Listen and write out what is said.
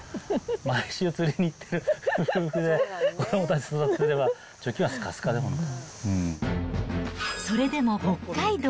毎週釣りに行って、夫婦で、子どもたち育てていれば、貯金はすかすかですよ、本当に。